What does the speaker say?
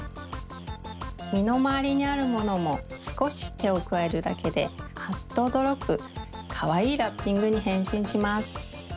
みのまわりにあるものもすこしてをくわえるだけであっとおどろくかわいいラッピングにへんしんします。